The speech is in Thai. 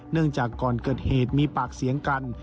จากก่อนเกิดเหตุมีปากเสียงกัน